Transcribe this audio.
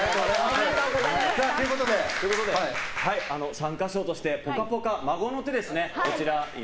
参加賞として「ぽかぽか」孫の手ですね。